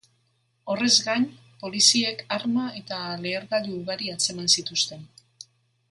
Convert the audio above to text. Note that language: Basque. Horrez gain, poliziek arma eta lehergailu ugari atzeman zituzten.